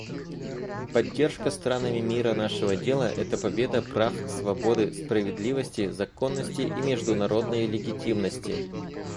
Поддержка странами мира нашего дела — это победа прав, свободы, справедливости, законности и международной легитимности.